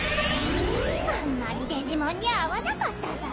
あんまりデジモンに会わなかったさ。